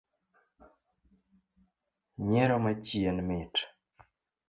Nyiero machien mit